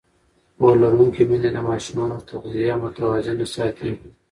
پوهه لرونکې میندې د ماشومانو تغذیه متوازنه ساتي.